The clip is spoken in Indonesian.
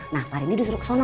nah pak rendi disuruh kesana